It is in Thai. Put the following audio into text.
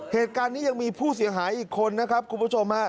เหตุการณ์นี้ยังมีผู้เสียหายอีกคนนะครับคุณผู้ชมฮะ